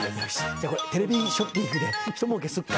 じゃあこれテレビショッピングでひともうけするか。